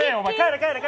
帰れ！